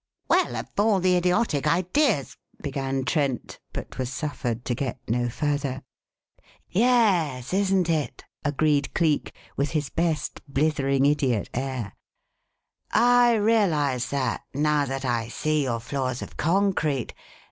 "Well, of all the idiotic ideas ," began Trent, but was suffered to get no further. "Yes, isn't it?" agreed Cleek, with his best blithering idiot air. "I realize that, now that I see your floor's of concrete.